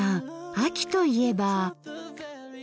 秋といえば。